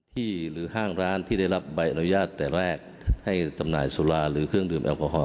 หรือห้างร้านที่ได้รับใบอนุญาตแต่แรกให้จำหน่ายสุราหรือเครื่องดื่มแอลกอฮอล